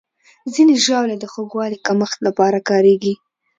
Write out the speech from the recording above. ځینې ژاولې د خوږوالي کمښت لپاره کارېږي.